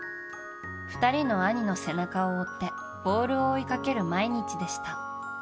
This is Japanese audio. ２人の兄の背中を追ってボールを追いかける毎日でした。